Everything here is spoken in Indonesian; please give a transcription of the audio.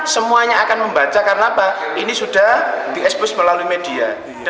semuanya akan membaca karena ini sudah di ekspresi melalui media